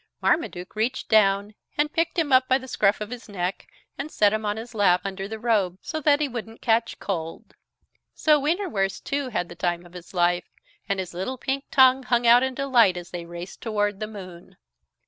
Marmaduke reached down, and picked him up by the scruff of his neck, and set him on his lap, under the robe, so that he wouldn't catch cold. So Wienerwurst too had the time of his life, and his little pink tongue hung out in delight as they raced toward the moon.